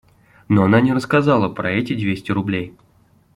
Но она не рассказала про эти двести рублей.